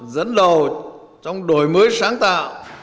dẫn đầu trong đổi mới sáng tạo